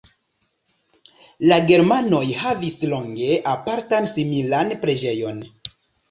La germanoj havis longe apartan similan preĝejon.